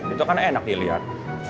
itu kan enak ya liat